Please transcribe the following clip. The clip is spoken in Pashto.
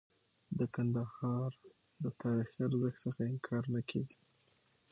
د کندهار د تاریخي ارزښت څخه انکار نه کيږي.